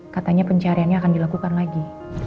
katanya pencariannya akan dilakukan lagi